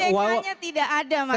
mck nya tidak ada mas emil